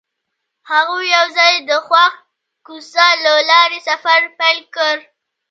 هغوی یوځای د خوښ کوڅه له لارې سفر پیل کړ.